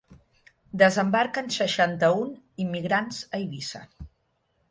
Desembarquen seixanta-un immigrants a Eivissa